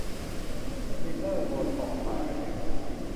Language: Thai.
ฟิลเลอร์ โบท็อกซ์ ต่างกันอย่างไร